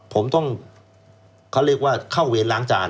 ผมต้องเขาเรียกว่าเข้าเวรล้างจาน